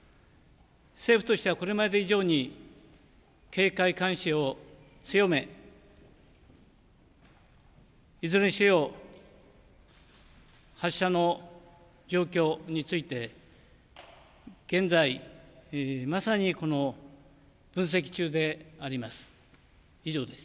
政府としてはこれまで以上に警戒監視を強め、いずれにせよ発射の状況について現在、まさに分析中であります。